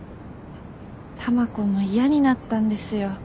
たまこも嫌になったんですよ